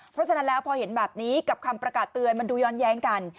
เพราะฉะนั้นแล้วพอเห็นแบบนี้กับคำประกาศเตือนมันดูย้อนแย้งกัน